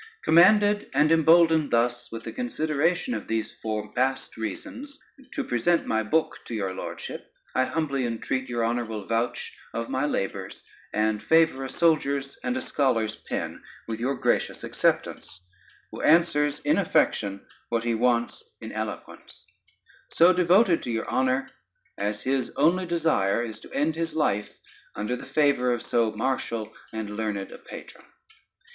Commanded and emboldened thus with the consideration of these forepassed reasons, to present my book to your Lordship, I humbly entreat your Honor will vouch of my labors, and favor a soldier's and a scholar's pen with your gracious acceptance, who answers in affection what he wants in eloquence; so devoted to your honor, as his only desire is, to end his life under the favor of so martial and learned a patron.